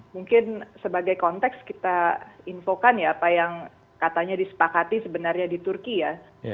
mungkin sebagai konteks kita infokan ya apa yang katanya disepakati sebenarnya di turki ya